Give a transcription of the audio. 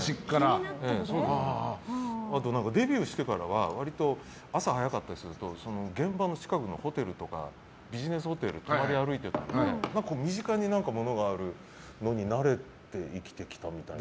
あとはデビューしてからは割と朝早かったりすると現場の近くのホテルとかビジネスホテルを泊まり歩いてたので身近に物があるのに慣れて生きてきたみたいな。